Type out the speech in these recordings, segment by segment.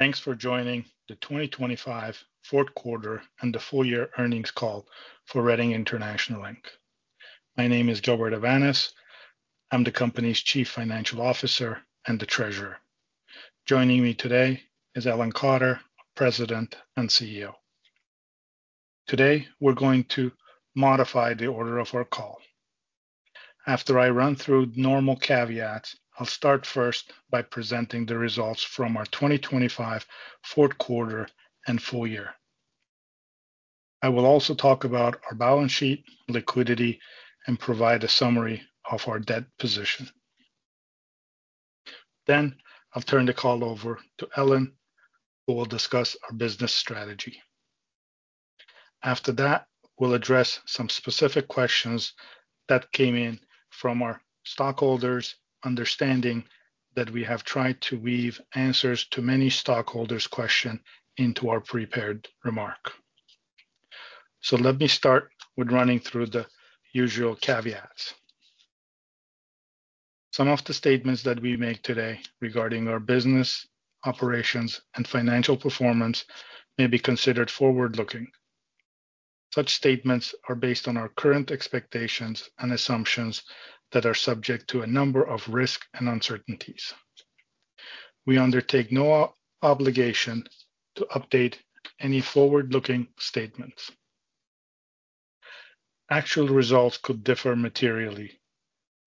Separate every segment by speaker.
Speaker 1: Thanks for joining the 2025 fourth quarter and the full year earnings call for Reading International, Inc. My name is Gilbert Avanes. I'm the company's Chief Financial Officer and Treasurer. Joining me today is Ellen Cotter, President and CEO. Today, we're going to modify the order of our call. After I run through normal caveats, I'll start first by presenting the results from our 2025 fourth quarter and full year. I will also talk about our balance sheet, liquidity, and provide a summary of our debt position. Then I'll turn the call over to Ellen, who will discuss our business strategy. After that, we'll address some specific questions that came in from our stockholders, understanding that we have tried to weave answers to many stockholders' question into our prepared remark. Let me start with running through the usual caveats. Some of the statements that we make today regarding our business, operations, and financial performance may be considered forward-looking. Such statements are based on our current expectations and assumptions that are subject to a number of risks and uncertainties. We undertake no obligation to update any forward-looking statements. Actual results could differ materially.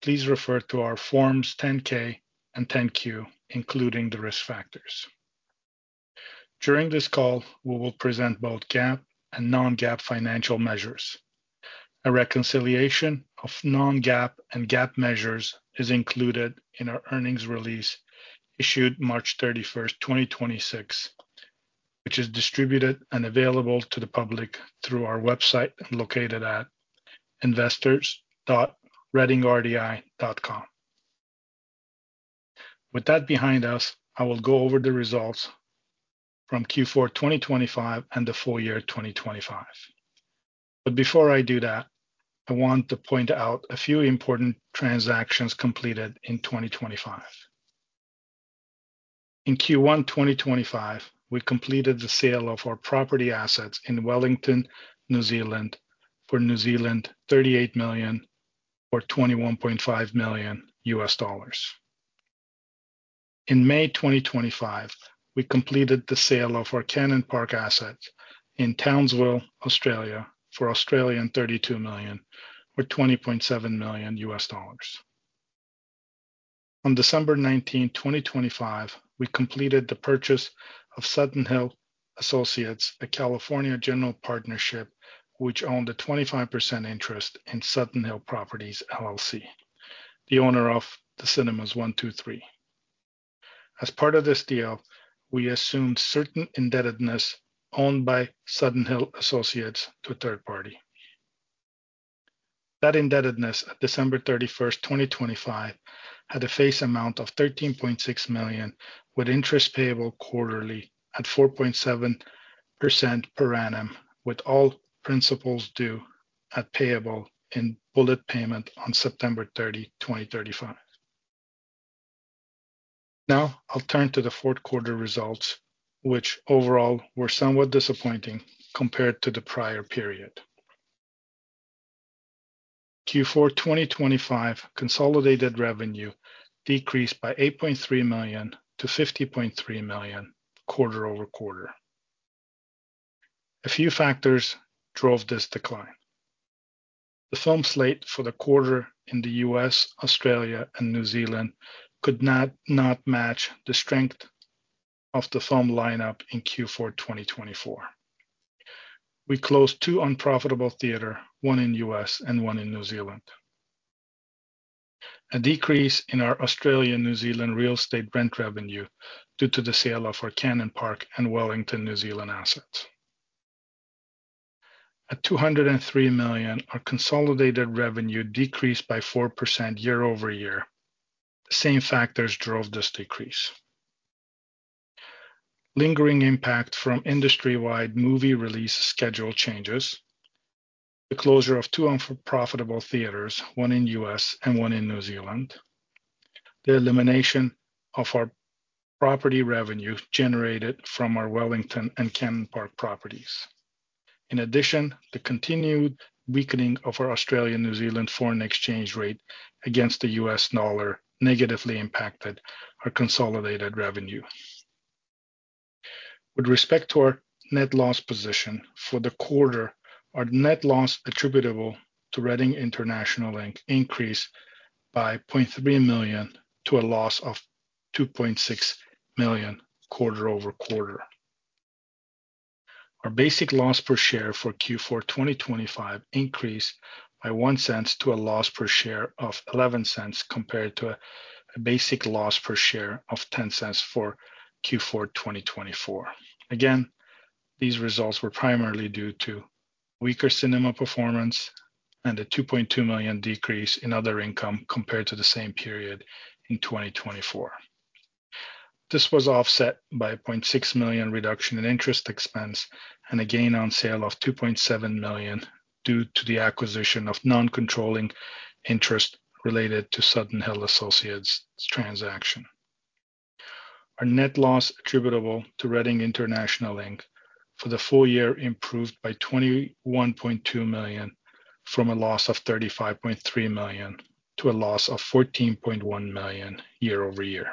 Speaker 1: Please refer to our Forms 10-K and 10-Q, including the risk factors. During this call, we will present both GAAP and non-GAAP financial measures. A reconciliation of non-GAAP and GAAP measures is included in our earnings release issued March 31, 2026, which is distributed and available to the public through our website located at investors.readingrdi.com. With that behind us, I will go over the results from Q4 2025 and the full year 2025. Before I do that, I want to point out a few important transactions completed in 2025. In Q1 2025, we completed the sale of our property assets in Wellington, New Zealand for 38 million or $21.5 million. In May 2025, we completed the sale of our Cannon Park asset in Townsville, Australia for 32 million or $20.7 million. On December 19, 2025, we completed the purchase of Sutton Hill Associates, a California general partnership, which owned a 25% interest in Sutton Hill Properties, LLC, the owner of the Cinemas 1, 2, 3. As part of this deal, we assumed certain indebtedness owed by Sutton Hill Associates to a third party. That indebtedness at December 31, 2025, had a face amount of 13.6 million, with interest payable quarterly at 4.7% per annum, with all principal due and payable in bullet payment on September 30, 2035. Now I'll turn to the fourth quarter results, which overall were somewhat disappointing compared to the prior period. Q4 2025 consolidated revenue decreased by 8.3 million to 50.3 million quarter-over-quarter. A few factors drove this decline. The film slate for the quarter in the U.S., Australia and New Zealand could not match the strength of the film lineup in Q4 2024. We closed two unprofitable theaters, one in U.S. and one in New Zealand. A decrease in our Australia and New Zealand real estate rent revenue due to the sale of our Cannon Park and Wellington, New Zealand assets. At 203 million, our consolidated revenue decreased by 4% year-over-year. The same factors drove this decrease. Lingering impact from industry-wide movie release schedule changes. The closure of two unprofitable theaters, one in U.S. and one in New Zealand. The elimination of our property revenue generated from our Wellington and Cannon Park properties. In addition, the continued weakening of our Australian New Zealand foreign exchange rate against the US dollar negatively impacted our consolidated revenue. With respect to our net loss position for the quarter, our net loss attributable to Reading International, Inc. increased by 0.3 million to a loss of 2.6 million quarter-over-quarter. Our basic loss per share for Q4 2025 increased by 0.01 to a loss per share of 0.11, compared to a basic loss per share of 0.10 for Q4 2024. Again, these results were primarily due to weaker cinema performance and a 2.2 million decrease in other income compared to the same period in 2024. This was offset by a 0.6 million reduction in interest expense and a gain on sale of $2.7 million due to the acquisition of non-controlling interest related to Sutton Hill Associates transaction. Our net loss attributable to Reading International, Inc. for the full year improved by $21.2 million from a loss of $35.3 million to a loss of $14.1 million year-over-year.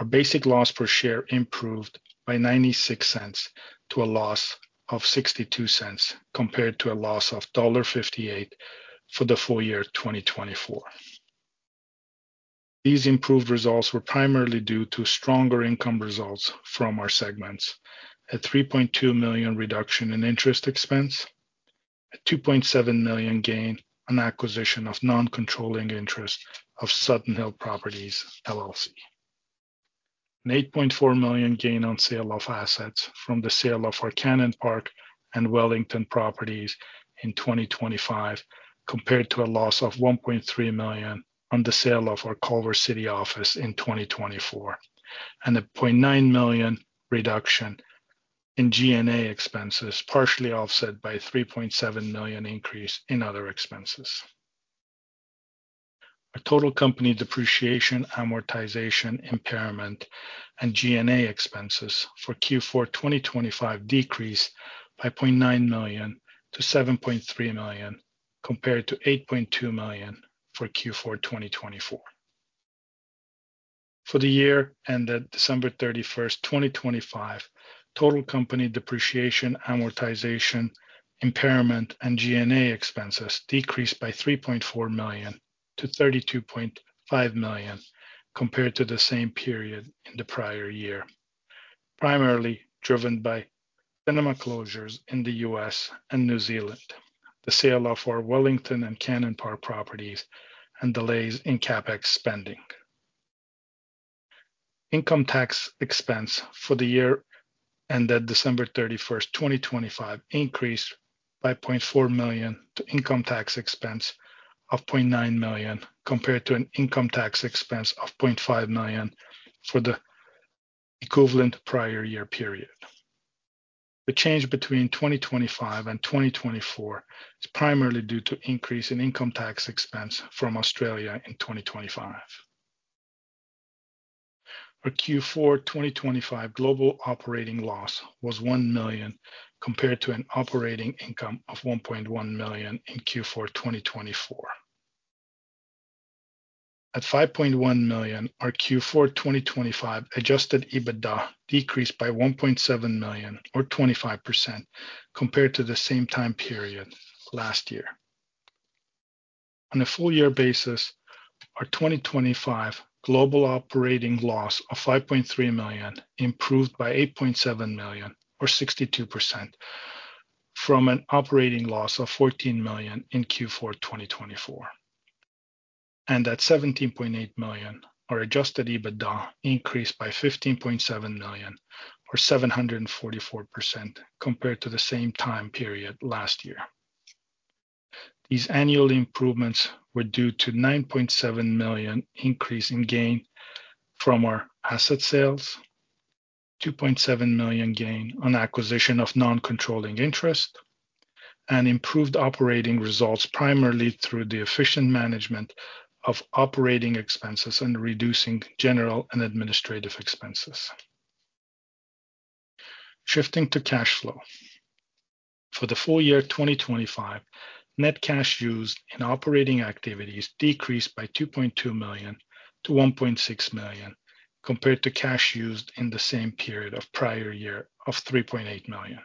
Speaker 1: Our basic loss per share improved by $0.96 to a loss of $0.62, compared to a loss of $1.58 for the full year 2024. These improved results were primarily due to stronger income results from our segments, a $3.2 million reduction in interest expense, a $2.7 million gain on acquisition of non-controlling interest of Sutton Hill Properties, LLC. A $8.4 million gain on sale of assets from the sale of our Cannon Park and Wellington properties in 2025, compared to a loss of $1.3 million on the sale of our Culver City office in 2024, and a $0.9 million reduction in G&A expenses, partially offset by $3.7 million increase in other expenses. Our total company depreciation, amortization, impairment, and G&A expenses for Q4 2025 decreased by $0.9 million to $7.3 million, compared to $8.2 million for Q4 2024. For the year ended December 31, 2025, total company depreciation, amortization, impairment, and G&A expenses decreased by $3.4 million to $32.5 million compared to the same period in the prior year, primarily driven by cinema closures in the U.S. and New Zealand, the sale of our Wellington and Cannon Park properties, and delays in CapEx spending. Income tax expense for the year ended December 31, 2025 increased by $0.4 million to income tax expense of $0.9 million, compared to an income tax expense of $0.5 million for the equivalent prior year period. The change between 2025 and 2024 is primarily due to increase in income tax expense from Australia in 2025. Our Q4 2025 global operating loss was $1 million, compared to an operating income of $1.1 million in Q4 2024. At $5.1 million, our Q4 2025 adjusted EBITDA decreased by $1.7 million or 25% compared to the same time period last year. On a full-year basis, our 2025 global operating loss of $5.3 million improved by $8.7 million or 62% from an operating loss of $14 million in Q4 2024. At $17.8 million, our adjusted EBITDA increased by $15.7 million or 744% compared to the same time period last year. These annual improvements were due to $9.7 million increase in gain from our asset sales, $2.7 million gain on acquisition of non-controlling interest, and improved operating results primarily through the efficient management of operating expenses and reducing general and administrative expenses. Shifting to cash flow. For the full year 2025, net cash used in operating activities decreased by 2.2 million to 1.6 million compared to cash used in the same period of prior year of 3.8 million.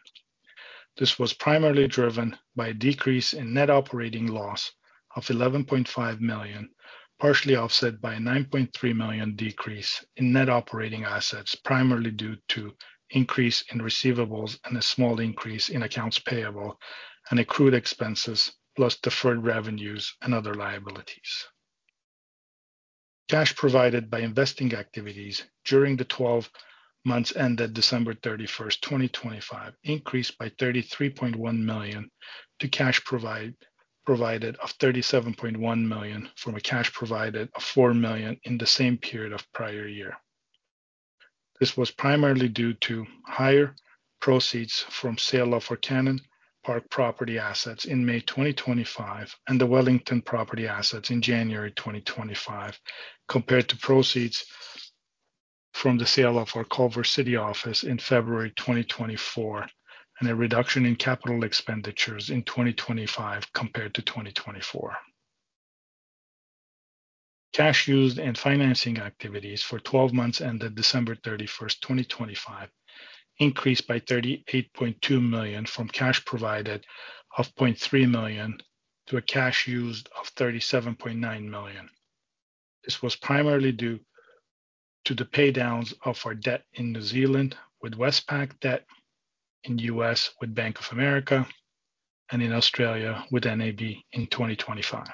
Speaker 1: This was primarily driven by a decrease in net operating loss of 11.5 million, partially offset by a 9.3 million decrease in net operating assets, primarily due to increase in receivables and a small increase in accounts payable and accrued expenses, plus deferred revenues and other liabilities. Cash provided by investing activities during the twelve months ended December 31, 2025 increased by 33.1 million to cash provided of 37.1 million from a cash provided of 4 million in the same period of prior year. This was primarily due to higher proceeds from sale of our Cannon Park property assets in May 2025 and the Wellington property assets in January 2025 compared to proceeds from the sale of our Culver City office in February 2024, and a reduction in capital expenditures in 2025 compared to 2024. Cash used in financing activities for 12 months ended December 31, 2025 increased by $38.2 million from cash provided of $0.3 million to a cash used of $37.9 million. This was primarily due to the pay downs of our debt in New Zealand with Westpac, debt in the U.S. with Bank of America, and in Australia with NAB in 2025.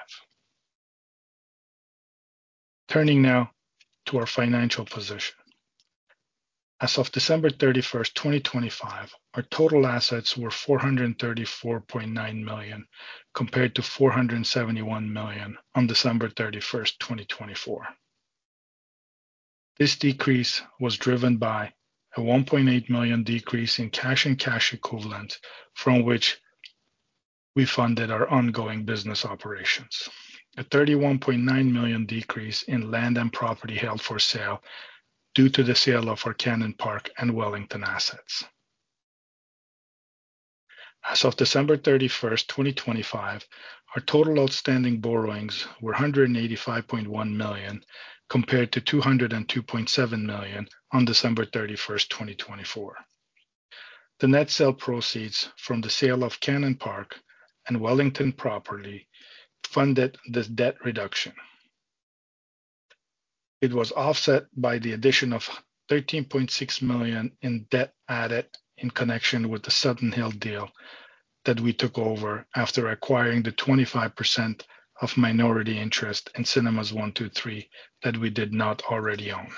Speaker 1: Turning now to our financial position. As of December 31, 2025, our total assets were $434.9 million, compared to 471 million on December 31, 2024. This decrease was driven by a 1.8 million decrease in cash and cash equivalent from which we funded our ongoing business operations, a 31.9 million decrease in land and property held for sale due to the sale of our Cannon Park and Wellington assets. As of December 31, 2025, our total outstanding borrowings were 185.1 million compared to 202.7 million on December 31, 2024. The net sale proceeds from the sale of Cannon Park and Wellington property funded this debt reduction. It was offset by the addition of 13.6 million in debt added in connection with the Sutton Hill deal that we took over after acquiring the 25% of minority interest in Cinemas 1, 2, 3 that we did not already own.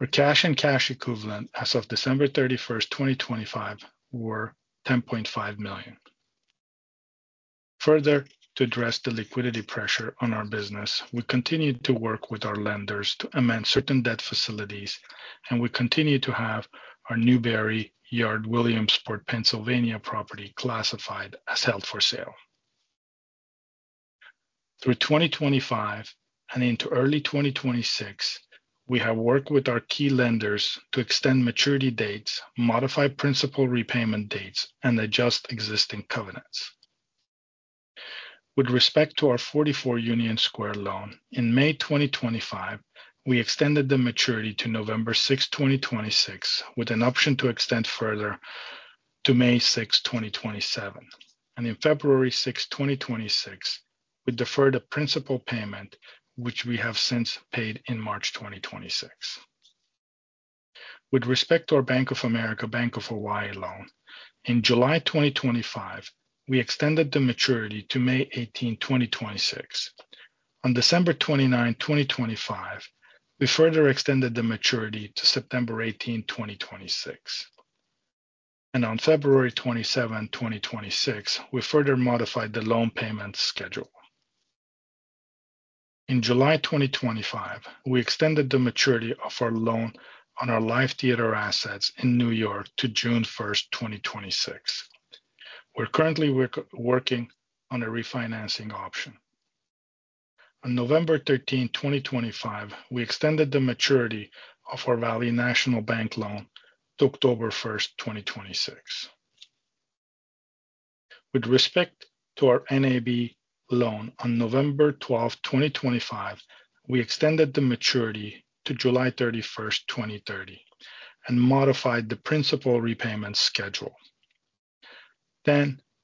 Speaker 1: Our cash and cash equivalents as of December 31, 2025, were 10.5 million. Further, to address the liquidity pressure on our business, we continued to work with our lenders to amend certain debt facilities, and we continue to have our Newberry Yard, Williamsport, Pennsylvania, property classified as held for sale. Through 2025 and into early 2026, we have worked with our key lenders to extend maturity dates, modify principal repayment dates, and adjust existing covenants. With respect to our 44 Union Square loan, in May 2025, we extended the maturity to November 6, 2026, with an option to extend further to May 6, 2027. In February 6, 2026, we deferred a principal payment, which we have since paid in March 2026. With respect to our Bank of America, Bank of Hawaii loan, in July 2025, we extended the maturity to May 18, 2026. On December 29, 2025, we further extended the maturity to September 18, 2026. On February 27, 2026, we further modified the loan payment schedule. In July 2025, we extended the maturity of our loan on our live theater assets in New York to June 1, 2026. We're currently working on a refinancing option. On November 13, 2025, we extended the maturity of our Valley National Bank loan to October 1, 2026. With respect to our NAB loan on November 12, 2025, we extended the maturity to July 31, 2030, and modified the principal repayment schedule.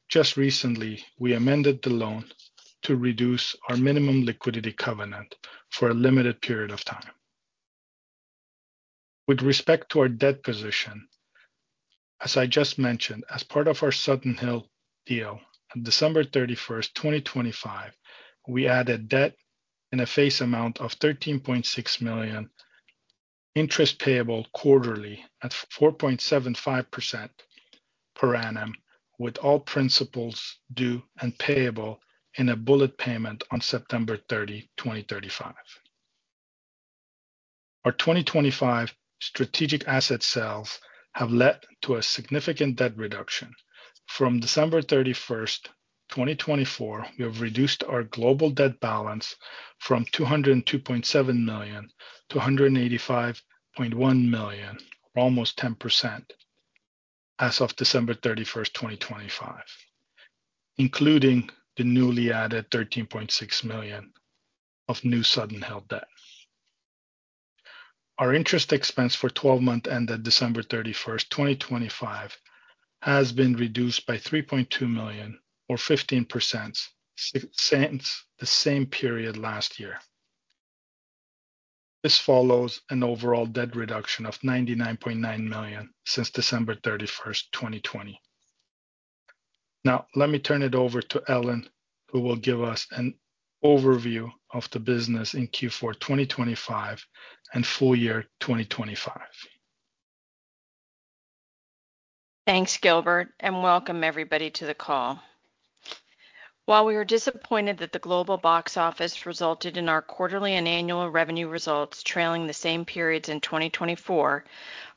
Speaker 1: Just recently, we amended the loan to reduce our minimum liquidity covenant for a limited period of time. With respect to our debt position, as I just mentioned, as part of our Sutton Hill deal on December 31, 2025, we added debt in a face amount of 13.6 million, interest payable quarterly at 4.75% per annum, with all principals due and payable in a bullet payment on September 30, 2035. Our 2025 strategic asset sales have led to a significant debt reduction. From December 31, 2024, we have reduced our global debt balance from $202.7 million to $185.1 million, or almost 10% as of December 31, 2025, including the newly added $13.6 million of new Sutton Hill debt. Our interest expense for 12-month ended December 31, 2025, has been reduced by $3.2 million or 15% since the same period last year. This follows an overall debt reduction of $99.9 million since December 31, 2020. Now let me turn it over to Ellen, who will give us an overview of the business in Q4 2025 and full year 2025.
Speaker 2: Thanks, Gilbert, and welcome everybody to the call. While we were disappointed that the global box office resulted in our quarterly and annual revenue results trailing the same periods in 2024,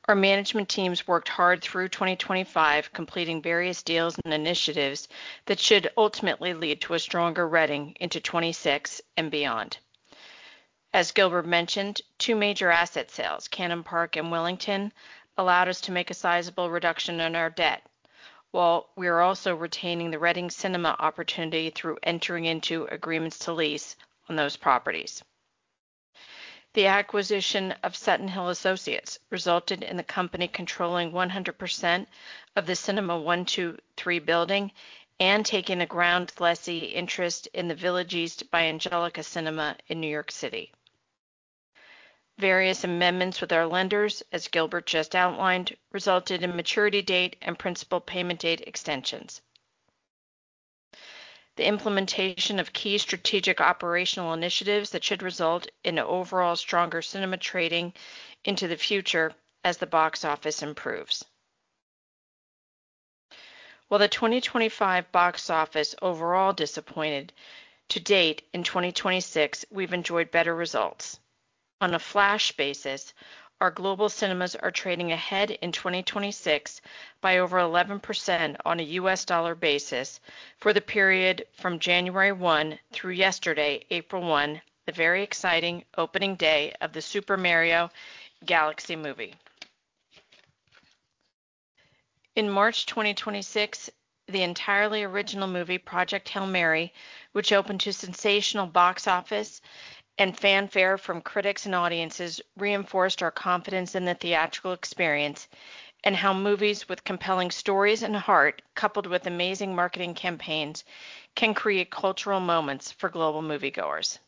Speaker 2: our management teams worked hard through 2025, completing various deals and initiatives that should ultimately lead to a stronger Reading into 2026 and beyond. As Gilbert mentioned, two major asset sales, Cannon Park and Wellington, allowed us to make a sizable reduction in our debt, while we are also retaining the Reading Cinemas opportunity through entering into agreements to lease on those properties. The acquisition of Sutton Hill Associates resulted in the company controlling 100% of the Cinemas 1, 2, 3 building and taking a ground lessee interest in the Village East by Angelika in New York City. Various amendments with our lenders, as Gilbert just outlined, resulted in maturity date and principal payment date extensions. The implementation of key strategic operational initiatives that should result in an overall stronger cinema trading into the future as the box office improves. While the 2025 box office overall disappointed to date, in 2026 we've enjoyed better results. On a flash basis, our global cinemas are trading ahead in 2026 by over 11% on a U.S. dollar basis for the period from January 1 through yesterday, April 1, the very exciting opening day of the Super Mario Galaxy Movie. In March 2026, the entirely original movie Project Hail Mary, which opened to sensational box office and fanfare from critics and audiences, reinforced our confidence in the theatrical experience and how movies with compelling stories and heart, coupled with amazing marketing campaigns, can create cultural moments for global moviegoers.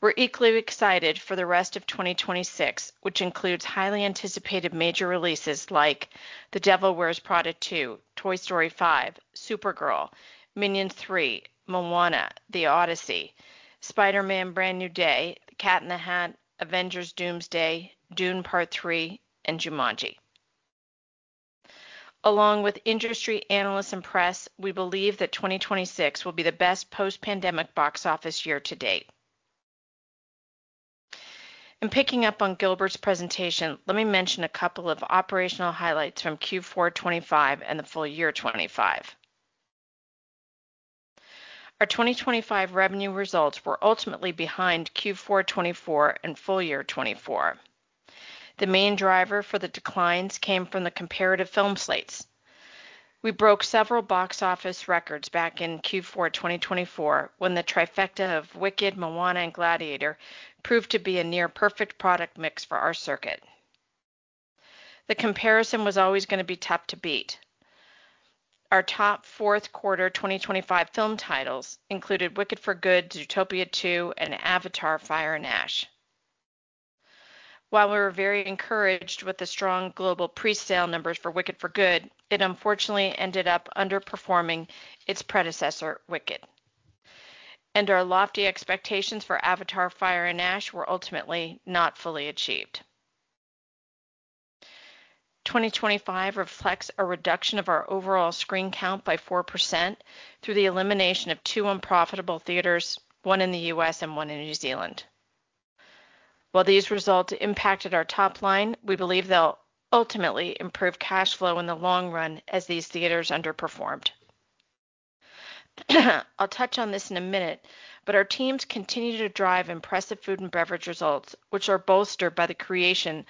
Speaker 2: We're equally excited for the rest of 2026, which includes highly anticipated major releases like The Devil Wears Prada 2, Toy Story 5, Supergirl, Minions 3, Moana, The Odyssey, Spider-Man: Brand New Day, The Cat in the Hat, Avengers: Doomsday, Dune: Part Three, and Jumanji. Along with industry analysts and press, we believe that 2026 will be the best post-pandemic box office year to date. Picking up on Gilbert's presentation, let me mention a couple of operational highlights from Q4 2025 and the full year 2025. Our 2025 revenue results were ultimately behind Q4 2024 and full year 2024. The main driver for the declines came from the comparative film slates. We broke several box office records back in Q4 2024 when the trifecta of Wicked, Moana, and Gladiator proved to be a near-perfect product mix for our circuit. The comparison was always going to be tough to beat. Our top fourth quarter 2025 film titles included Wicked: For Good, Zootopia 2, and Avatar: Fire and Ash. While we were very encouraged with the strong global pre-sale numbers for Wicked: For Good, it unfortunately ended up underperforming its predecessor, Wicked. Our lofty expectations for Avatar: Fire and Ash were ultimately not fully achieved. 2025 reflects a reduction of our overall screen count by 4% through the elimination of two unprofitable theaters, one in the U.S. and one in New Zealand. While these results impacted our top line, we believe they'll ultimately improve cash flow in the long run as these theaters underperformed. I'll touch on this in a minute, but our teams continue to drive impressive food and beverage results, which are bolstered by the creation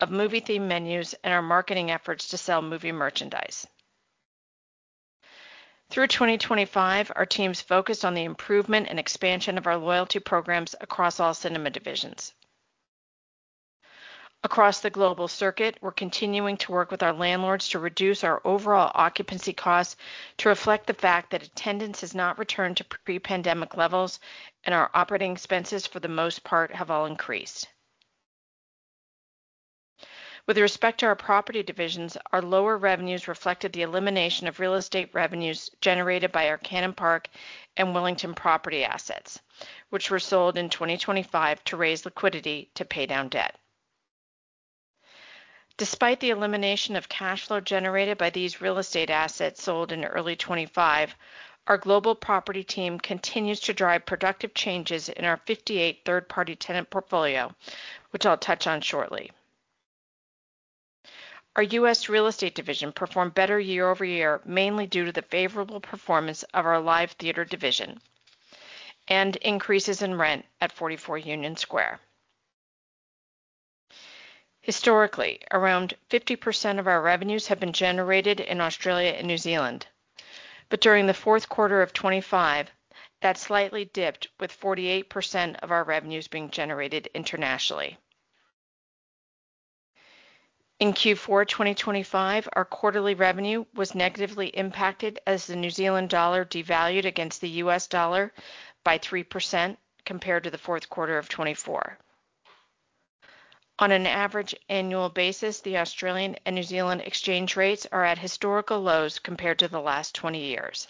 Speaker 2: of movie-themed menus and our marketing efforts to sell movie merchandise. Through 2025, our teams focused on the improvement and expansion of our loyalty programs across all cinema divisions. Across the global circuit, we're continuing to work with our landlords to reduce our overall occupancy costs to reflect the fact that attendance has not returned to pre-pandemic levels and our operating expenses for the most part have all increased. With respect to our property divisions, our lower revenues reflected the elimination of real estate revenues generated by our Cannon Park and Wellington property assets, which were sold in 2025 to raise liquidity to pay down debt. Despite the elimination of cash flow generated by these real estate assets sold in early 2025, our global property team continues to drive productive changes in our 58 third-party tenant portfolio, which I'll touch on shortly. Our U.S. real estate division performed better year-over-year, mainly due to the favorable performance of our live theater division and increases in rent at 44 Union Square. Historically, around 50% of our revenues have been generated in Australia and New Zealand. During the fourth quarter of 2025, that slightly dipped with 48% of our revenues being generated internationally. In Q4 2025, our quarterly revenue was negatively impacted as the New Zealand dollar devalued against the US dollar by 3% compared to the fourth quarter of 2024. On an average annual basis, the Australian and New Zealand exchange rates are at historical lows compared to the last 20 years.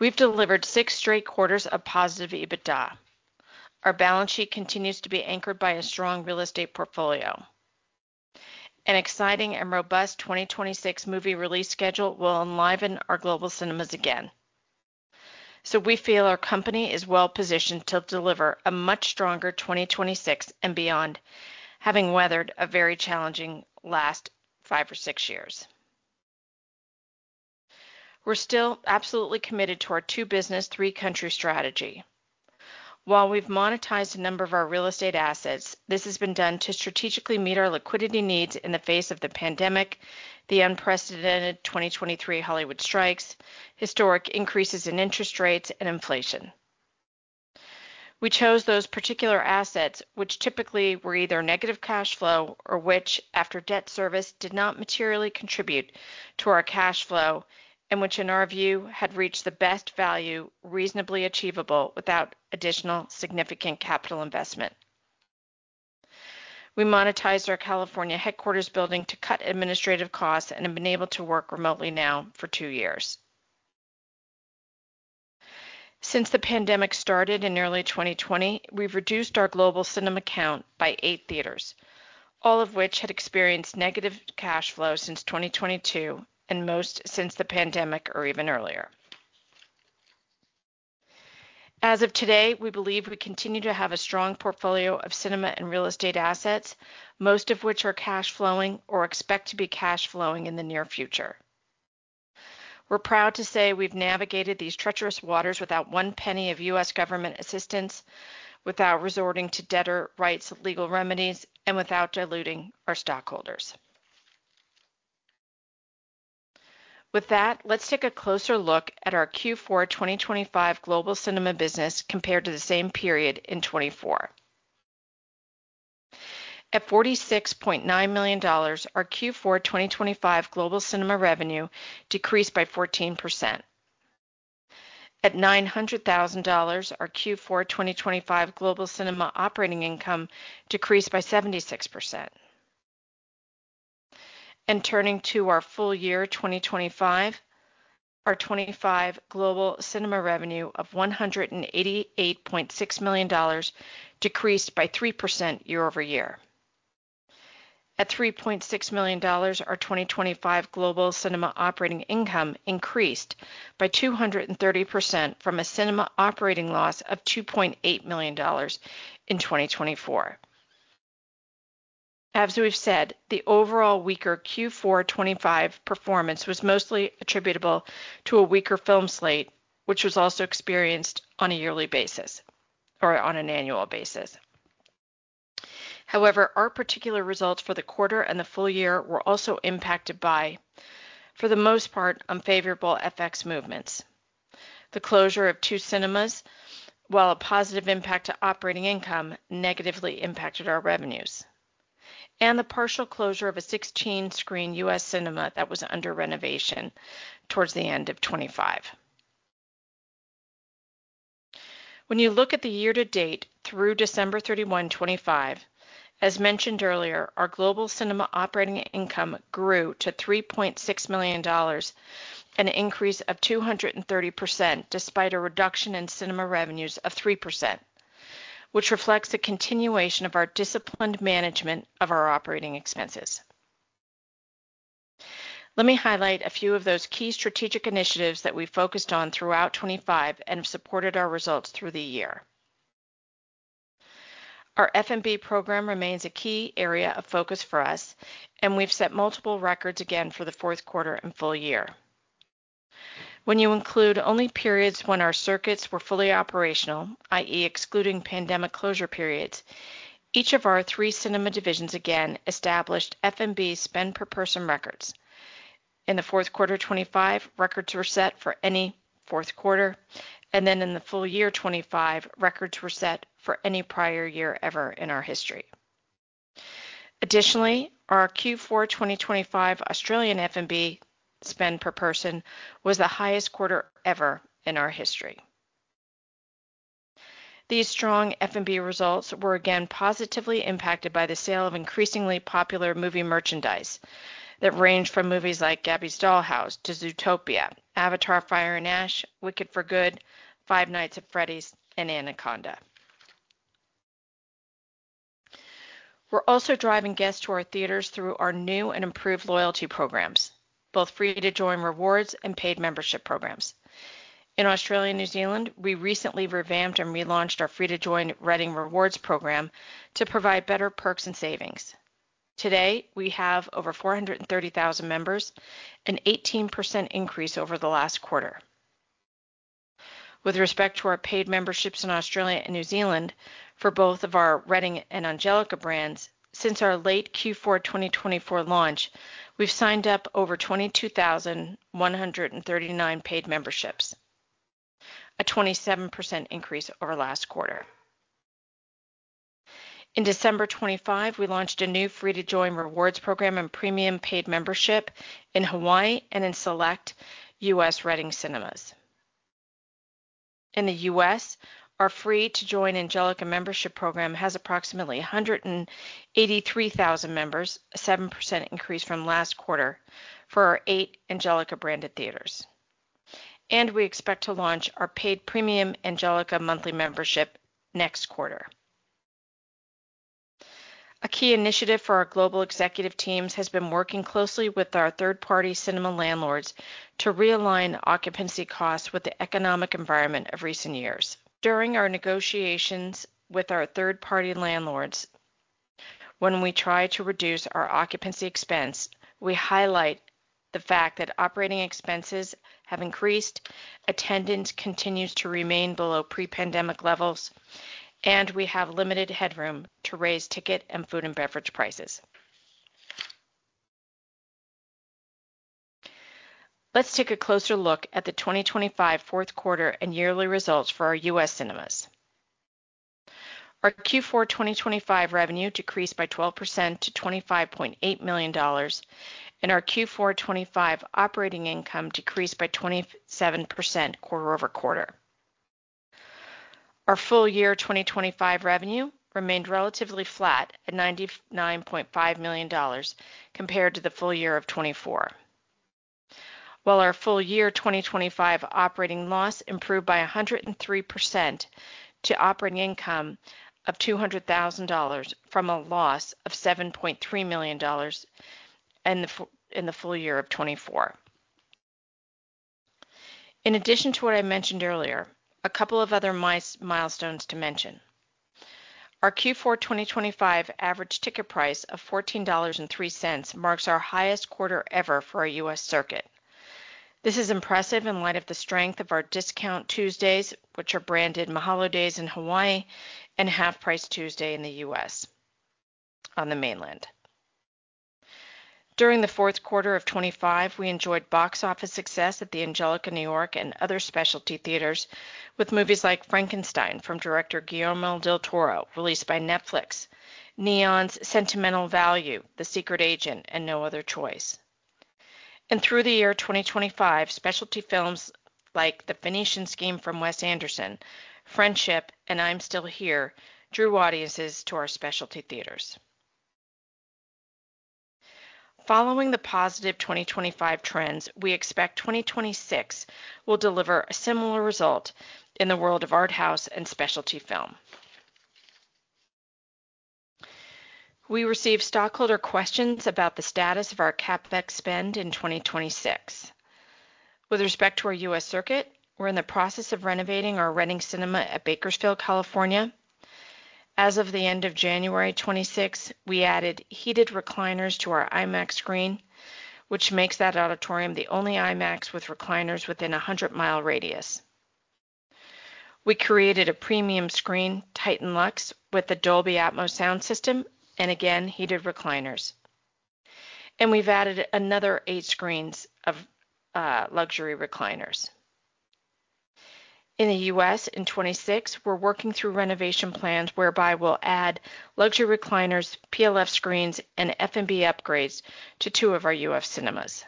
Speaker 2: We've delivered 6 straight quarters of positive EBITDA. Our balance sheet continues to be anchored by a strong real estate portfolio. An exciting and robust 2026 movie release schedule will enliven our global cinemas again. We feel our company is well-positioned to deliver a much stronger 2026 and beyond, having weathered a very challenging last 5 or 6 years. We're still absolutely committed to our two-business, three-country strategy. While we've monetized a number of our real estate assets, this has been done to strategically meet our liquidity needs in the face of the pandemic, the unprecedented 2023 Hollywood strikes, historic increases in interest rates, and inflation. We chose those particular assets which typically were either negative cash flow or which, after debt service, did not materially contribute to our cash flow and which, in our view, had reached the best value reasonably achievable without additional significant capital investment. We monetized our California headquarters building to cut administrative costs and have been able to work remotely now for two years. Since the pandemic started in early 2020, we've reduced our global cinema count by eight theaters, all of which had experienced negative cash flow since 2022 and most since the pandemic or even earlier. As of today, we believe we continue to have a strong portfolio of cinema and real estate assets, most of which are cash flowing or expect to be cash flowing in the near future. We're proud to say we've navigated these treacherous waters without one penny of U.S. government assistance, without resorting to debtor rights legal remedies, and without diluting our stockholders. With that, let's take a closer look at our Q4 2025 global cinema business compared to the same period in 2024. At $46.9 million, our Q4 2025 global cinema revenue decreased by 14%. At $900,000, our Q4 2025 global cinema operating income decreased by 76%. Turning to our full year 2025, our 2025 global cinema revenue of $188.6 million decreased by 3% year over year. At $3.6 million, our 2025 global cinema operating income increased by 230% from a cinema operating loss of $2.8 million in 2024. As we've said, the overall weaker Q4 2025 performance was mostly attributable to a weaker film slate, which was also experienced on a yearly basis or on an annual basis. However, our particular results for the quarter and the full year were also impacted by, for the most part, unfavorable FX movements. The closure of two cinemas, while a positive impact to operating income, negatively impacted our revenues. The partial closure of a 16-screen U.S. cinema that was under renovation towards the end of 2025. When you look at the year to date through December 31, 2025, as mentioned earlier, our global cinema operating income grew to $3.6 million, an increase of 230% despite a reduction in cinema revenues of 3%, which reflects the continuation of our disciplined management of our operating expenses. Let me highlight a few of those key strategic initiatives that we focused on throughout 2025 and have supported our results through the year. Our F&B program remains a key area of focus for us, and we've set multiple records again for the fourth quarter and full year. When you include only periods when our circuits were fully operational, i.e., excluding pandemic closure periods, each of our three cinema divisions again established F&B spend per person records. In the fourth quarter 2025, records were set for any fourth quarter, and then in the full year 2025, records were set for any prior year ever in our history. Additionally, our Q4 2025 Australian F&B spend per person was the highest quarter ever in our history. These strong F&B results were again positively impacted by the sale of increasingly popular movie merchandise that range from movies like Gabby's Dollhouse to Zootopia, Avatar: Fire and Ash, Wicked: For Good, Five Nights at Freddy's, and Anaconda. We're also driving guests to our theaters through our new and improved loyalty programs, both free-to-join rewards and paid membership programs. In Australia and New Zealand, we recently revamped and relaunched our free-to-join Reading Rewards program to provide better perks and savings. Today, we have over 430,000 members, an 18% increase over the last quarter. With respect to our paid memberships in Australia and New Zealand for both of our Reading and Angelika brands, since our late Q4 2024 launch, we've signed up over 22,139 paid memberships, a 27% increase over last quarter. In December 2025, we launched a new free-to-join rewards program and premium paid membership in Hawaii and in select U.S. Reading Cinemas. In the U.S., our free-to-join Angelika membership program has approximately 183,000 members, a 7% increase from last quarter for our eight Angelika branded theaters. We expect to launch our paid premium Angelika monthly membership next quarter. A key initiative for our global executive teams has been working closely with our third-party cinema landlords to realign occupancy costs with the economic environment of recent years. During our negotiations with our third-party landlords, when we try to reduce our occupancy expense, we highlight the fact that operating expenses have increased, attendance continues to remain below pre-pandemic levels, and we have limited headroom to raise ticket and food and beverage prices. Let's take a closer look at the 2025 fourth quarter and yearly results for our U.S. cinemas. Our Q4 2025 revenue decreased by 12% to $25.8 million, and our Q4 2025 operating income decreased by 27% quarter-over-quarter. Our full year 2025 revenue remained relatively flat at $99.5 million compared to the full year of 2024. While our full year 2025 operating loss improved by 103% to operating income of $200,000 from a loss of $7.3 million in the full year of 2024. In addition to what I mentioned earlier, a couple of other milestones to mention. Our Q4 2025 average ticket price of $14.03 marks our highest quarter ever for our U.S. circuit. This is impressive in light of the strength of our discount Tuesdays, which are branded Mahalo Days in Hawaii and Half Price Tuesday in the U.S. on the mainland. During the fourth quarter of 2025, we enjoyed box office success at the Angelika New York and other specialty theaters with movies like Frankenstein from director Guillermo del Toro, released by Netflix, Neon's Sentimental Value, The Secret Agent, and No Other Choice. Through the year 2025, specialty films like The Phoenician Scheme from Wes Anderson, Friendship, and I'm Still Here drew audiences to our specialty theaters. Following the positive 2025 trends, we expect 2026 will deliver a similar result in the world of art house and specialty film. We received stockholder questions about the status of our CapEx spend in 2026. With respect to our U.S. circuit, we're in the process of renovating our Reading Cinemas at Bakersfield, California. As of the end of January 2026, we added heated recliners to our IMAX screen, which makes that auditorium the only IMAX with recliners within a 100-mile radius. We created a premium screen, Titan LUXE, with a Dolby Atmos sound system and again, heated recliners. We've added another 8 screens of luxury recliners. In the U.S. in 2026, we're working through renovation plans whereby we'll add luxury recliners, PLF screens, and F&B upgrades to two of our US cinemas.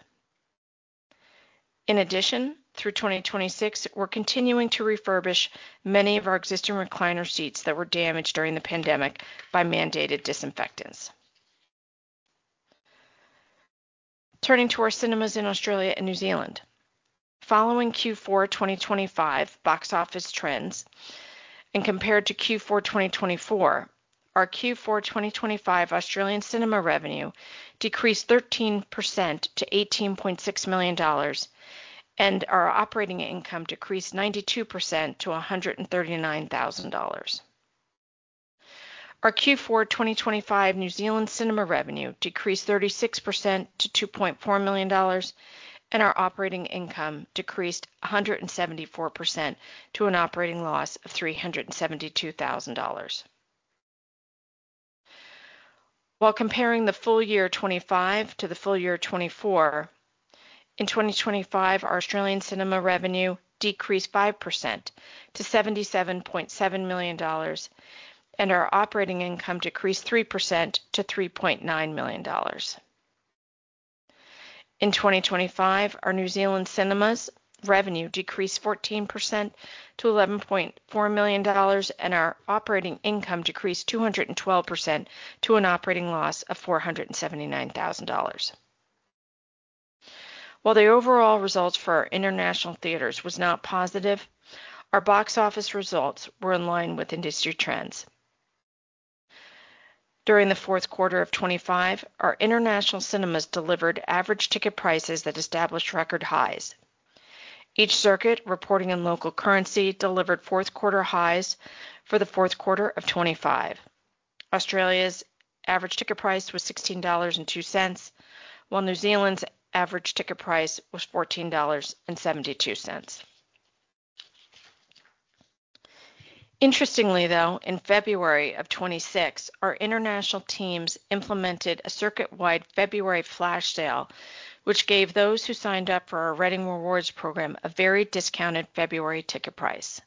Speaker 2: In addition, through 2026, we're continuing to refurbish many of our existing recliner seats that were damaged during the pandemic by mandated disinfectants. Turning to our cinemas in Australia and New Zealand. Following Q4 2025 box office trends and compared to Q4 2024, our Q4 2025 Australian cinema revenue decreased 13% to $18.6 million, and our operating income decreased 92% to $139,000. Our Q4 2025 New Zealand cinema revenue decreased 36% to $2.4 million, and our operating income decreased 174% to an operating loss of $372,000. While comparing the full year 2025 to the full year 2024, in 2025, our Australian cinema revenue decreased 5% to $77.7 million, and our operating income decreased 3% to $3.9 million. In 2025, our New Zealand cinemas revenue decreased 14% to $11.4 million, and our operating income decreased 212% to an operating loss of $479,000. While the overall results for our international theaters was not positive, our box office results were in line with industry trends. During the fourth quarter of 2025, our international cinemas delivered average ticket prices that established record highs. Each circuit reporting in local currency delivered fourth quarter highs for the fourth quarter of 2025. Australia's average ticket price was 16.02 dollars, while New Zealand's average ticket price was 14.72 dollars. Interestingly, though, in February 2026, our international teams implemented a circuit-wide February flash sale, which gave those who signed up for our Reading Rewards program a very discounted February ticket price.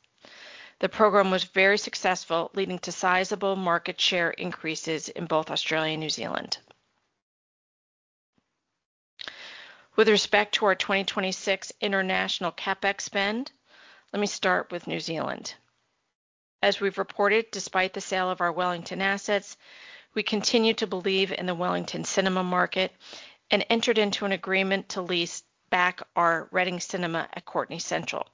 Speaker 2: The program was very successful, leading to sizable market share increases in both Australia and New Zealand. With respect to our 2026 international CapEx spend, let me start with New Zealand. As we've reported, despite the sale of our Wellington assets, we continue to believe in the Wellington cinema market and entered into an agreement to lease back our Reading Cinema at Courtenay Central.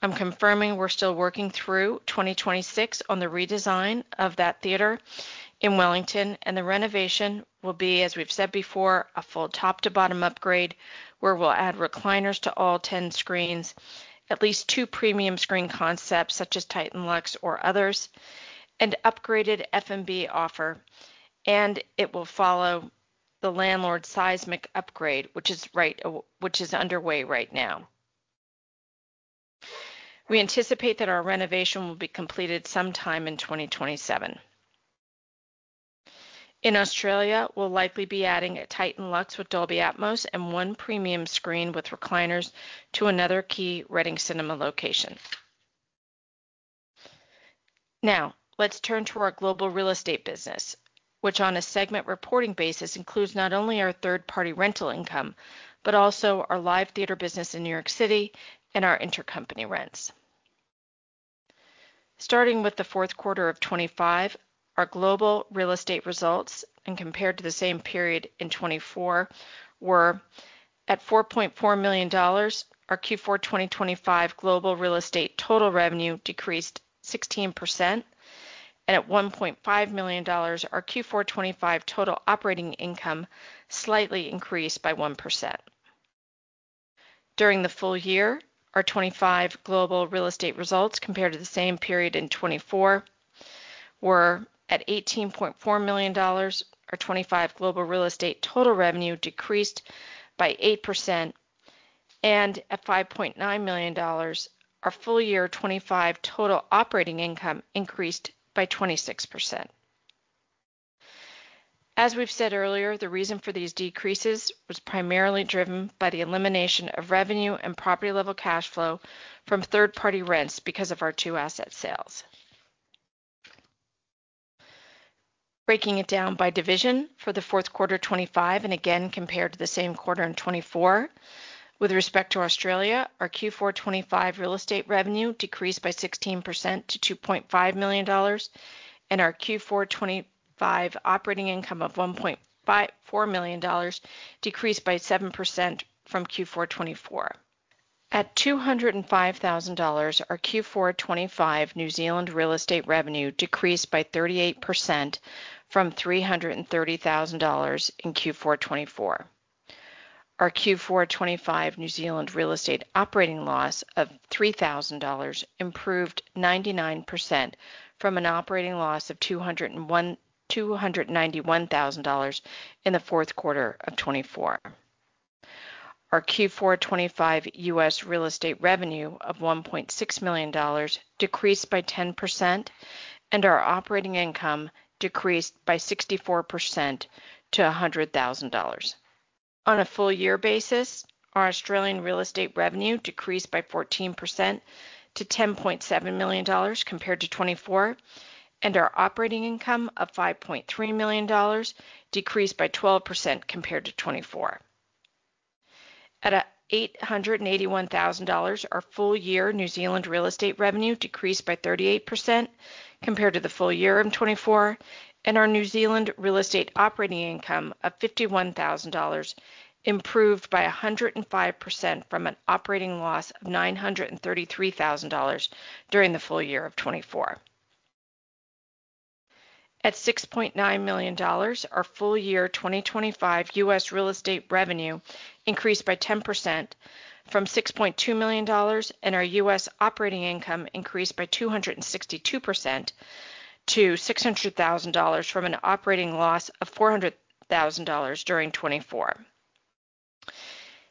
Speaker 2: I'm confirming we're still working through 2026 on the redesign of that theater in Wellington, and the renovation will be, as we've said before, a full top-to-bottom upgrade where we'll add recliners to all 10 screens, at least two premium screen concepts such as Titan LUXE or others, an upgraded F&B offer, and it will follow the landlord's seismic upgrade, which is underway right now. We anticipate that our renovation will be completed sometime in 2027. In Australia, we'll likely be adding a Titan LUXE with Dolby Atmos and one premium screen with recliners to another key Reading Cinemas location. Now, let's turn to our global real estate business, which on a segment reporting basis includes not only our third-party rental income, but also our live theater business in New York City and our intercompany rents. Starting with the fourth quarter of 2025, our global real estate results compared to the same period in 2024 were at $4.4 million. Our Q4 2025 global real estate total revenue decreased 16%, and at $1.5 million, our Q4 2025 total operating income slightly increased by 1%. During the full year, our 2025 global real estate results compared to the same period in 2024 were at $18.4 million. Our 2025 global real estate total revenue decreased by 8%, and at $5.9 million, our full year 2025 total operating income increased by 26%. As we've said earlier, the reason for these decreases was primarily driven by the elimination of revenue and property-level cash flow from third-party rents because of our two asset sales. Breaking it down by division for the fourth quarter 2025, and again compared to the same quarter in 2024, with respect to Australia, our Q4 2025 real estate revenue decreased by 16% to $2.5 million, and our Q4 2025 operating income of $4 million decreased by 7% from Q4 2024. At $205,000, our Q4 2025 New Zealand real estate revenue decreased by 38% from $330,000 in Q4 2024. Our Q4 2025 New Zealand real estate operating loss of $3,000 improved 99% from an operating loss of $291,000 in the fourth quarter of 2024. Our Q4 2025 U.S. real estate revenue of $1.6 million decreased by 10%, and our operating income decreased by 64% to $100,000. On a full year basis, our Australian real estate revenue decreased by 14% to $10.7 million compared to 2024, and our operating income of $5.3 million decreased by 12% compared to 2024. At $881,000, our full-year New Zealand real estate revenue decreased by 38% compared to the full year in 2024, and our New Zealand real estate operating income of $51,000 improved by 105% from an operating loss of $933,000 during the full year of 2024. At $6.9 million, our full year 2025 U.S. real estate revenue increased by 10% from $6.2 million, and our U.S. operating income increased by 262% to $600,000 from an operating loss of $400,000 during 2024.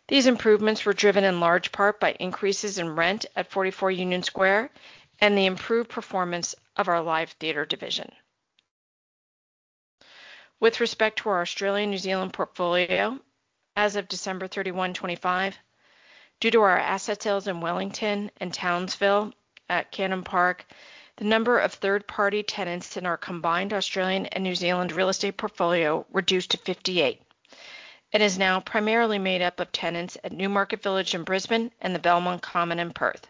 Speaker 2: These improvements were driven in large part by increases in rent at 44 Union Square and the improved performance of our live theater division. With respect to our Australian New Zealand portfolio, as of December 31, 2025, due to our asset sales in Wellington and Townsville at Cannon Park, the number of third-party tenants in our combined Australian and New Zealand real estate portfolio reduced to 58. It is now primarily made up of tenants at Newmarket Village in Brisbane and the Belmont Common in Perth.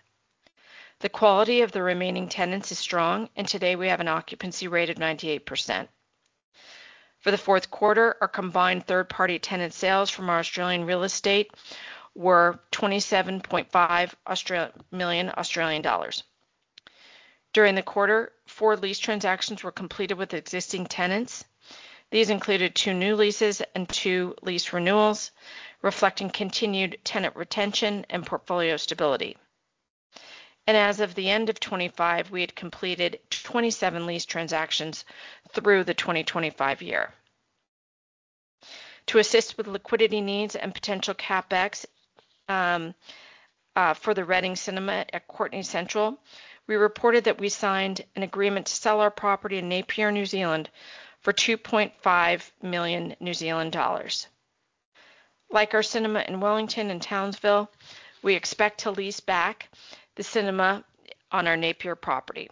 Speaker 2: The quality of the remaining tenants is strong, and today we have an occupancy rate of 98%. For the fourth quarter, our combined third-party tenant sales from our Australian real estate were 27.5 million Australian dollars. During the quarter, four lease transactions were completed with existing tenants. These included two new leases and two lease renewals, reflecting continued tenant retention and portfolio stability. As of the end of 2025, we had completed 27 lease transactions through the 2025 year. To assist with liquidity needs and potential CapEx for the Reading Cinemas at Courtenay Central, we reported that we signed an agreement to sell our property in Napier, New Zealand for 2.5 million New Zealand dollars. Like our cinema in Wellington and Townsville, we expect to lease back the cinema on our Napier property.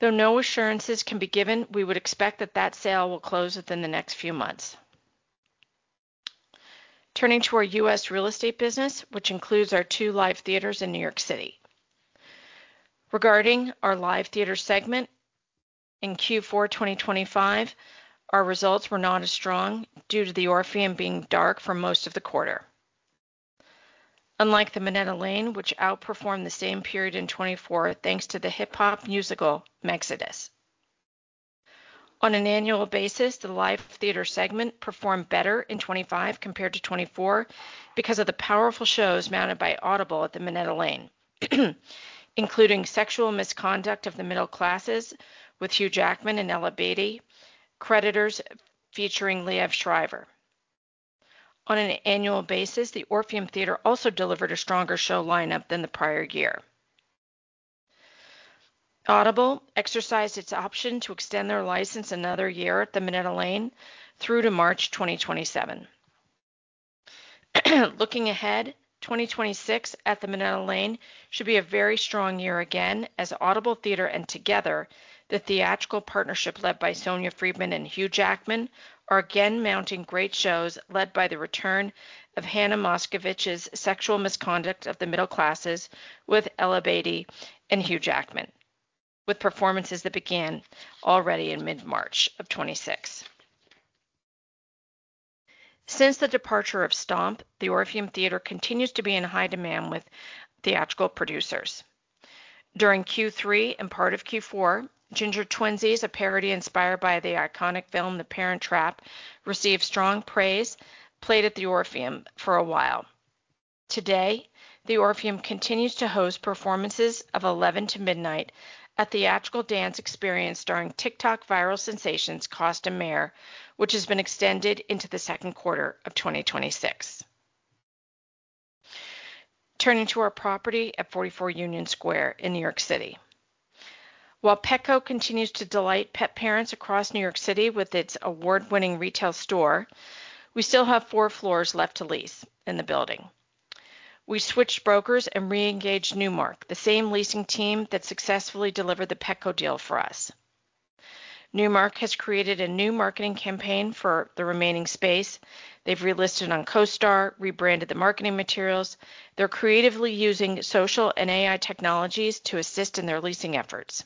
Speaker 2: Though no assurances can be given, we would expect that that sale will close within the next few months. Turning to our U.S. real estate business, which includes our two live theaters in New York City. Regarding our live theater segment, in Q4 2025, our results were not as strong due to the Orpheum being dark for most of the quarter. Unlike the Minetta Lane, which outperformed the same period in 2024, thanks to the hip-hop musical Mexodus. On an annual basis, the live theater segment performed better in 2025 compared to 2024 because of the powerful shows mounted by Audible at the Minetta Lane, including Sexual Misconduct of the Middle Classes with Hugh Jackman and Ella Beatty, Creditors featuring Liev Schreiber. On an annual basis, the Orpheum Theater also delivered a stronger show lineup than the prior year. Audible exercised its option to extend their license another year at the Minetta Lane through to March 2027. Looking ahead, 2026 at the Minetta Lane should be a very strong year again as Audible Theater and Together, the theatrical partnership led by Sonia Friedman and Hugh Jackman, are again mounting great shows led by the return of Hannah Moscovitch's Sexual Misconduct of the Middle Classes with Ella Beatty and Hugh Jackman, with performances that begin already in mid-March of 2026. Since the departure of Stomp, the Orpheum Theater continues to be in high demand with theatrical producers. During Q3 and part of Q4, Ginger Twinsies, a parody inspired by the iconic film The Parent Trap, received strong praise, played at the Orpheum for a while. Today, the Orpheum continues to host performances of Eleven to Midnight, a theatrical dance experience starring TikTok viral sensations Cost n' Mayor, which has been extended into the second quarter of 2026. Turning to our property at 44 Union Square in New York City. While Petco continues to delight pet parents across New York City with its award-winning retail store, we still have 4 floors left to lease in the building. We switched brokers and re-engaged Newmark, the same leasing team that successfully delivered the Petco deal for us. Newmark has created a new marketing campaign for the remaining space. They've relisted on CoStar, rebranded the marketing materials. They're creatively using social and AI technologies to assist in their leasing efforts.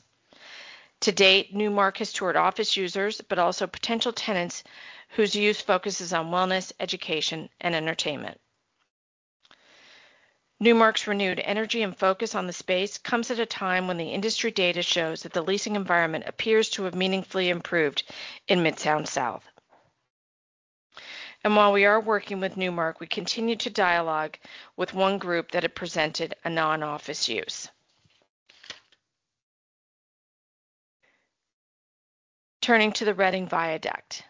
Speaker 2: To date, Newmark has toured office users, but also potential tenants whose use focuses on wellness, education, and entertainment. Newmark's renewed energy and focus on the space comes at a time when the industry data shows that the leasing environment appears to have meaningfully improved in Midtown South. While we are working with Newmark, we continue to dialogue with one group that had presented a non-office use. Turning to the Reading Viaduct.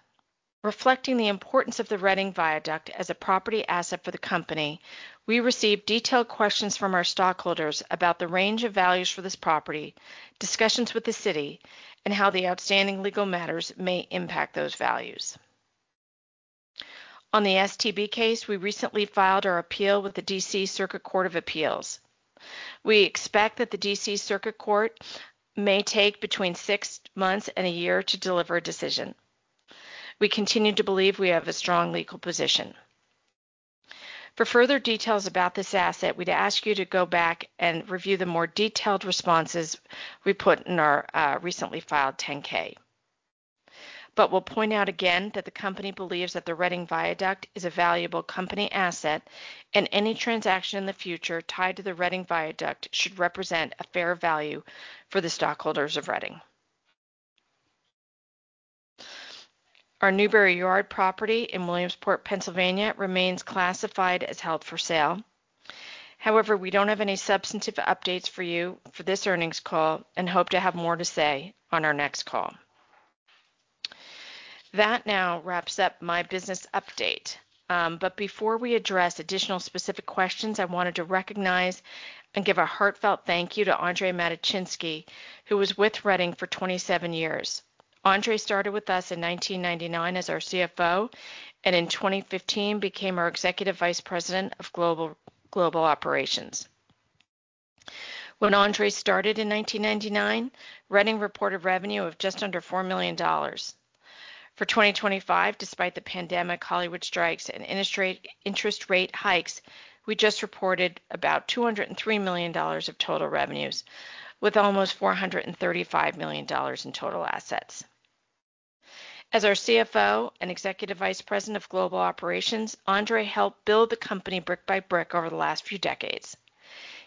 Speaker 2: Reflecting the importance of the Reading Viaduct as a property asset for the company, we received detailed questions from our stockholders about the range of values for this property, discussions with the city, and how the outstanding legal matters may impact those values. On the STB case, we recently filed our appeal with the D.C. Circuit Court of Appeals. We expect that the D.C. Circuit Court may take between six months and a year to deliver a decision. We continue to believe we have a strong legal position. For further details about this asset, we'd ask you to go back and review the more detailed responses we put in our recently filed 10-K. We'll point out again that the company believes that the Reading Viaduct is a valuable company asset, and any transaction in the future tied to the Reading Viaduct should represent a fair value for the stockholders of Reading. Our Newberry Yard property in Williamsport, Pennsylvania remains classified as held for sale. However, we don't have any substantive updates for you for this earnings call and hope to have more to say on our next call. That now wraps up my business update. Before we address additional specific questions, I wanted to recognize and give a heartfelt thank you to Andrzej Matyczynski, who was with Reading for 27 years. Andrzej started with us in 1999 as our CFO, and in 2015 became our Executive Vice President of Global Operations. When Andrzej started in 1999, Reading reported revenue of just under $4 million. For 2025, despite the pandemic, Hollywood strikes, and industry interest rate hikes, we just reported about $203 million of total revenues, with almost $435 million in total assets. As our CFO and Executive Vice President of Global Operations, Andrzej helped build the company brick by brick over the last few decades.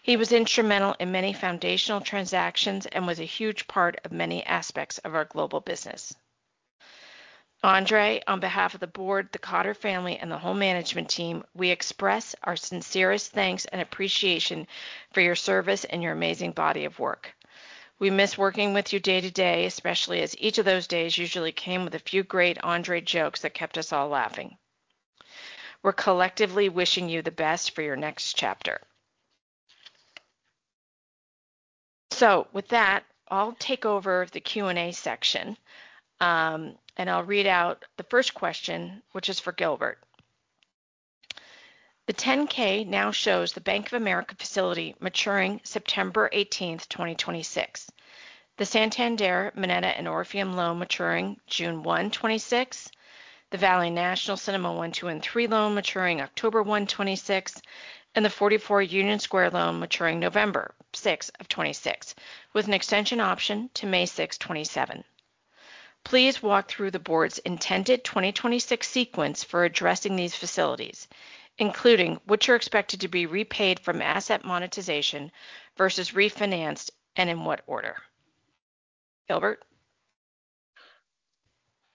Speaker 2: He was instrumental in many foundational transactions and was a huge part of many aspects of our global business. Andrzej, on behalf of the board, the Cotter family, and the whole management team, we express our sincerest thanks and appreciation for your service and your amazing body of work. We miss working with you day to day, especially as each of those days usually came with a few great Andrzej jokes that kept us all laughing. We're collectively wishing you the best for your next chapter. With that, I'll take over the Q&A section, and I'll read out the first question, which is for Gilbert. The 10-K now shows the Bank of America facility maturing September 18, 2026, the Santander, Minetta, and Orpheum loan maturing June 1, 2026, the Valley National Cinemas 1, 2, and 3 loan maturing October 1, 2026, and the 44 Union Square loan maturing November 6, 2026, with an extension option to May 6, 2027. Please walk through the board's intended 2026 sequence for addressing these facilities, including which are expected to be repaid from asset monetization versus refinanced, and in what order. Gilbert?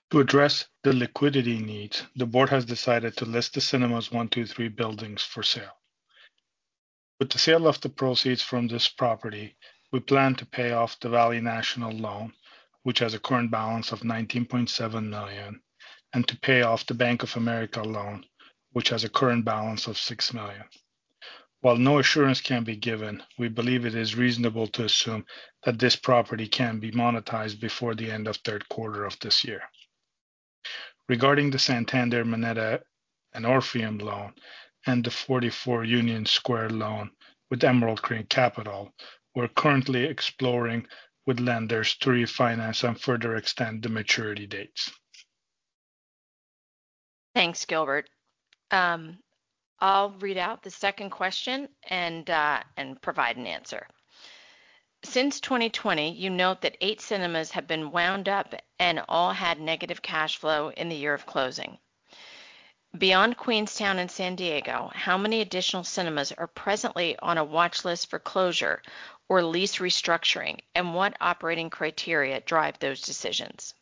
Speaker 1: To address the liquidity needs, the board has decided to list the Cinemas 1, 2, 3 buildings for sale. With the sale of the proceeds from this property, we plan to pay off the Valley National loan, which has a current balance of $19.7 million, and to pay off the Bank of America loan, which has a current balance of $6 million. While no assurance can be given, we believe it is reasonable to assume that this property can be monetized before the end of third quarter of this year. Regarding the Santander Minetta and Orpheum loan and the 44 Union Square loan with Emerald Creek Capital, we're currently exploring with lenders to refinance and further extend the maturity dates.
Speaker 2: Thanks, Gilbert. I'll read out the second question and provide an answer. Since 2020, you note that 8 cinemas have been wound up and all had negative cash flow in the year of closing. Beyond Queenstown and San Diego, how many additional cinemas are presently on a watch list for closure or lease restructuring, and what operating criteria drive those decisions?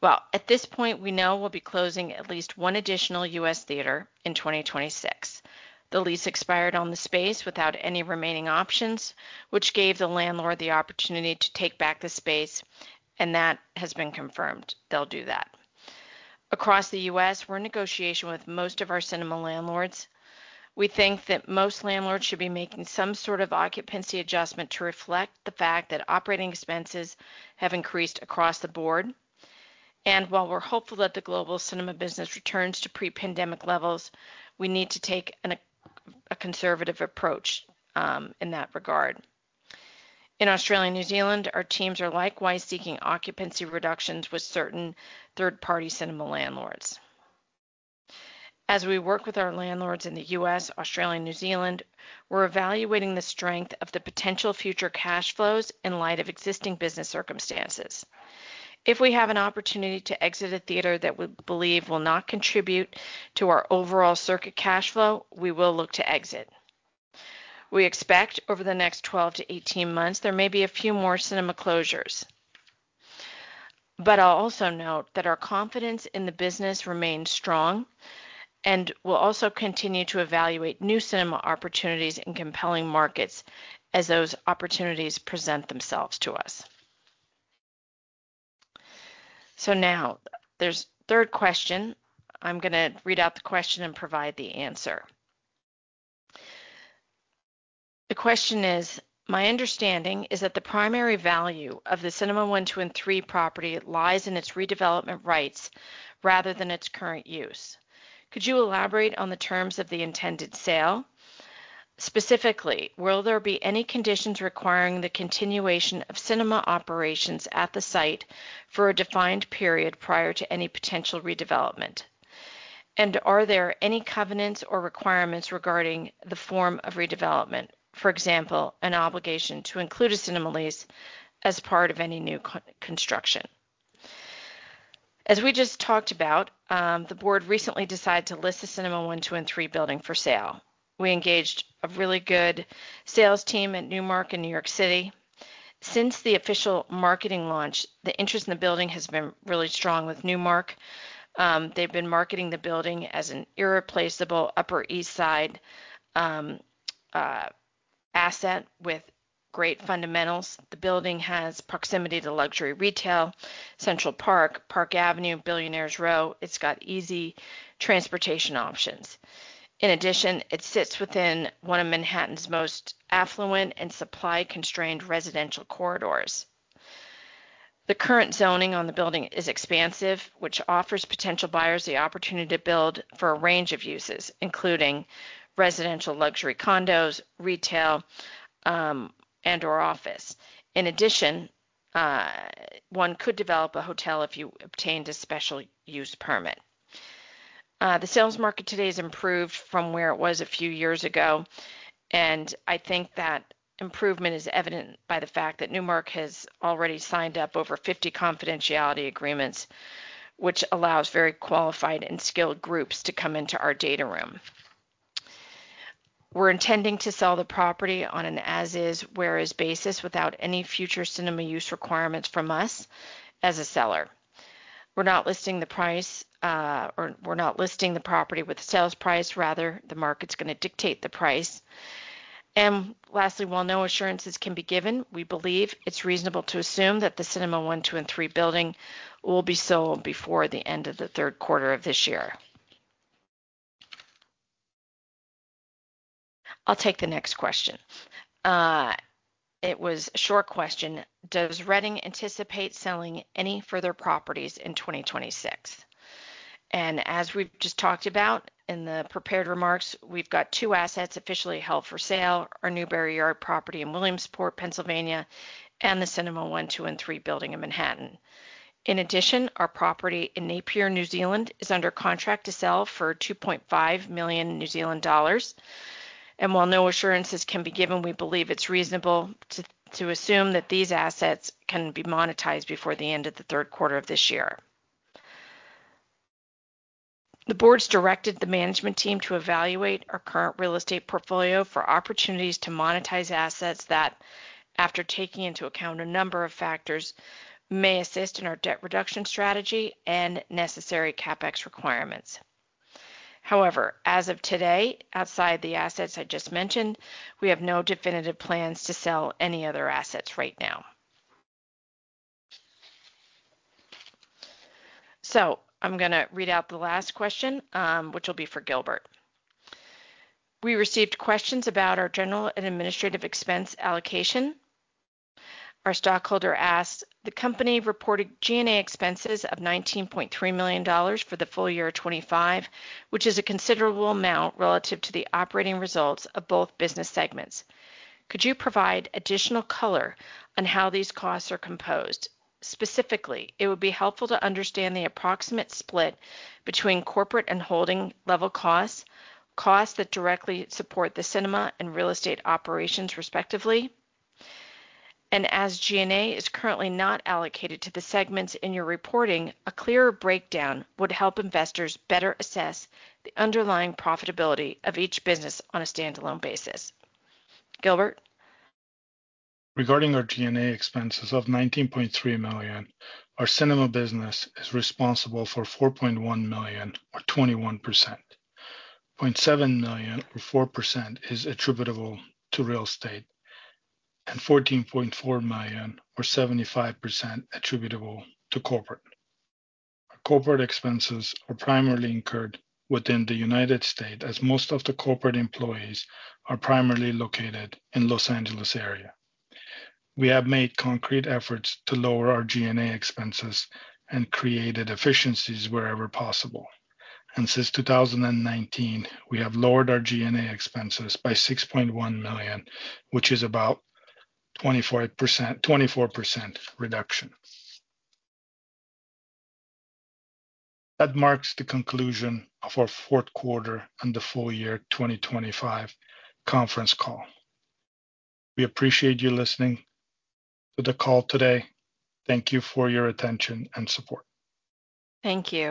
Speaker 2: Well, at this point, we know we'll be closing at least 1 additional U.S. theater in 2026. The lease expired on the space without any remaining options, which gave the landlord the opportunity to take back the space, and that has been confirmed they'll do that. Across the U.S., we're in negotiation with most of our cinema landlords. We think that most landlords should be making some sort of occupancy adjustment to reflect the fact that operating expenses have increased across the board. While we're hopeful that the global cinema business returns to pre-pandemic levels, we need to take a conservative approach in that regard. In Australia and New Zealand, our teams are likewise seeking occupancy reductions with certain third-party cinema landlords. As we work with our landlords in the U.S., Australia, and New Zealand, we're evaluating the strength of the potential future cash flows in light of existing business circumstances. If we have an opportunity to exit a theater that we believe will not contribute to our overall circuit cash flow, we will look to exit. We expect over the next 12-18 months, there may be a few more cinema closures. I'll also note that our confidence in the business remains strong, and we'll also continue to evaluate new cinema opportunities in compelling markets as those opportunities present themselves to us. Now there's the third question. I'm gonna read out the question and provide the answer. The question is, my understanding is that the primary value of the Cinemas 1, 2, 3 property lies in its redevelopment rights rather than its current use. Could you elaborate on the terms of the intended sale? Specifically, will there be any conditions requiring the continuation of cinema operations at the site for a defined period prior to any potential redevelopment? And are there any covenants or requirements regarding the form of redevelopment? For example, an obligation to include a cinema lease as part of any new construction. As we just talked about, the board recently decided to list the Cinemas 1, 2, 3 building for sale. We engaged a really good sales team at Newmark in New York City. Since the official marketing launch, the interest in the building has been really strong with Newmark. They've been marketing the building as an irreplaceable Upper East Side asset with great fundamentals. The building has proximity to luxury retail, Central Park Avenue, Billionaire's Row. It's got easy transportation options. In addition, it sits within one of Manhattan's most affluent and supply-constrained residential corridors. The current zoning on the building is expansive, which offers potential buyers the opportunity to build for a range of uses, including residential luxury condos, retail, and/or office. In addition, one could develop a hotel if you obtained a special use permit. The sales market today is improved from where it was a few years ago, and I think that improvement is evident by the fact that Newmark has already signed up over 50 confidentiality agreements, which allows very qualified and skilled groups to come into our data room. We're intending to sell the property on an as-is/where-is basis without any future cinema use requirements from us as a seller. We're not listing the price, or we're not listing the property with the sales price, rather the market's gonna dictate the price. Lastly, while no assurances can be given, we believe it's reasonable to assume that the Cinemas 1, 2, 3 building will be sold before the end of the third quarter of this year. I'll take the next question. It was a short question. Does Reading anticipate selling any further properties in 2026? As we've just talked about in the prepared remarks, we've got two assets officially held for sale, our Newberry Yard property in Williamsport, Pennsylvania, and the Cinemas 1, 2, 3 building in Manhattan. In addition, our property in Napier, New Zealand, is under contract to sell for 2.5 million New Zealand dollars. While no assurances can be given, we believe it's reasonable to assume that these assets can be monetized before the end of the third quarter of this year. The board's directed the management team to evaluate our current real estate portfolio for opportunities to monetize assets that, after taking into account a number of factors, may assist in our debt reduction strategy and necessary CapEx requirements. However, as of today, outside the assets I just mentioned, we have no definitive plans to sell any other assets right now. I'm gonna read out the last question, which will be for Gilbert. We received questions about our general and administrative expense allocation. Our stockholder asks, the company reported G&A expenses of $19.3 million for the full year of 2025, which is a considerable amount relative to the operating results of both business segments. Could you provide additional color on how these costs are composed? Specifically, it would be helpful to understand the approximate split between corporate and holding level costs that directly support the cinema and real estate operations, respectively. As G&A is currently not allocated to the segments in your reporting, a clearer breakdown would help investors better assess the underlying profitability of each business on a standalone basis. Gilbert.
Speaker 1: Regarding our G&A expenses of $19.3 million, our cinema business is responsible for $4.1 million or 21%, $0.7 million or 4% is attributable to real estate, and $14.4 million or 75% attributable to corporate. Corporate expenses are primarily incurred within the United States as most of the corporate employees are primarily located in Los Angeles area. We have made concrete efforts to lower our G&A expenses and created efficiencies wherever possible. Since 2019, we have lowered our G&A expenses by $6.1 million, which is about 24%, 24% reduction. That marks the conclusion of our fourth quarter and the full year 2025 conference call. We appreciate you listening to the call today. Thank you for your attention and support.
Speaker 2: Thank you.